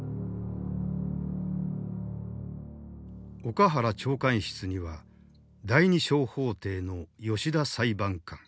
岡原長官室には第二小法廷の吉田裁判官